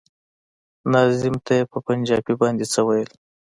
ناظم ته يې په پنجابي باندې څه ويل.